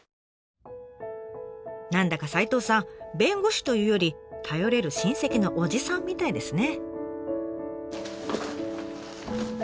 何だか齋藤さん弁護士というより頼れる親戚のおじさんみたいですね。